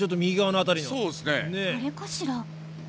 あれかしら？